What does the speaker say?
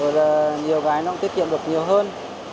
rồi là nhiều cái nó cũng tiết kiệm được nhiều hơn